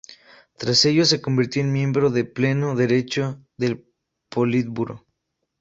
Tras ello se convirtió en miembro de pleno derecho del Politburó.